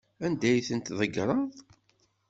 Anda ay ten-tḍeggreḍ?